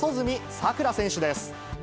さくら選手です。